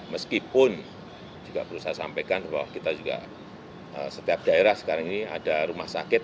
meskipun juga perlu saya sampaikan bahwa kita juga setiap daerah sekarang ini ada rumah sakit